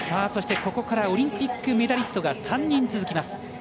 ここからオリンピックメダリストが３人続きます。